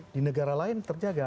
di negara lain terjaga